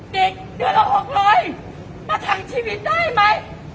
เด็กเดือนละ๖๐๐ประถังชีวิตได้มั้ย